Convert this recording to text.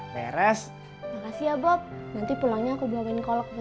beres siap nanti pulangnya aku bawain kalau kamu asyik